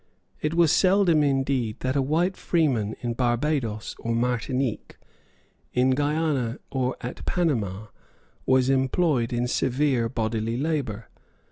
It was seldom indeed that a white freeman in Barbadoes or Martinique, in Guiana or at Panama, was employed in severe bodily labour.